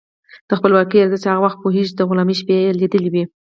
د خپلواکۍ ارزښت هغه پوهېږي چې د غلامۍ شپې یې لیدلي وي.